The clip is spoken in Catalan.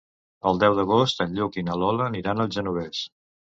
El deu d'agost en Lluc i na Lola aniran al Genovés.